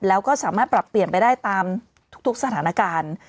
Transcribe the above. แล้วก็สามารถปรับเปลี่ยนไปได้ตามทุกสถานการณ์